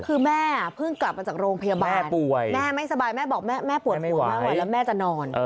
คือแม่เพิ่งกลับมาจากโรงพยาบาลแม่ไม่สบายแม่บอกแม่ปวดหัวมากกว่าแล้วแม่จะนอน